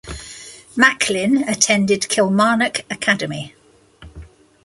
Macklin attended Kilmarnock Academy.